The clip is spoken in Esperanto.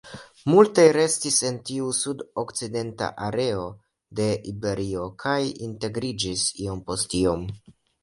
Multaj restis en tiu sudokcidenta areo de Iberio kaj integriĝis iom post iom.